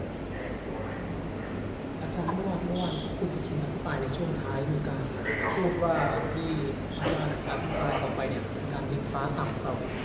อาจารย์เมื่อวานพูดสิธินัทบ้านในช่วงท้าย